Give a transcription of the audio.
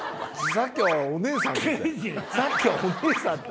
さっきは「お姉さん」って。